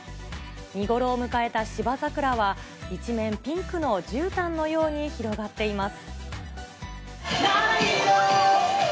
見頃を迎えたシバザクラは、一面ピンクのじゅうたんのように広がっています。